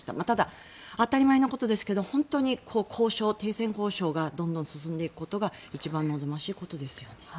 ただ、当たり前のことですけど本当に停戦交渉がどんどん進んでいくことが一番望ましいことですよね。